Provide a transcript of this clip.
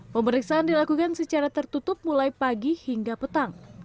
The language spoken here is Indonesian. pemeriksaan dilakukan secara tertutup mulai pagi hingga petang